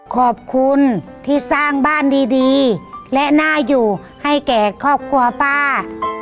ขอบคุณที่สร้างบ้านดีและน่าอยู่ให้แก่ครอบครัวป้า